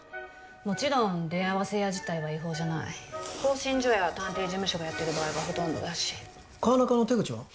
もちろん出会わせ屋自体は違法じゃない興信所や探偵事務所がやってる場合がほとんどだし川中の手口は？